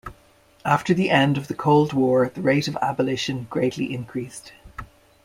After the end of the Cold War, the rate of abolition greatly increased.